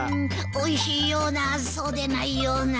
おいしいようなそうでないような。